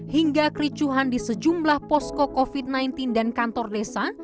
hingga kericuhan di sejumlah posko covid sembilan belas dan kantor desa